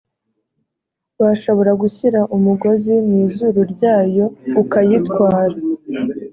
washobora gushyira umugozi mu izuru ryayo ukayitwara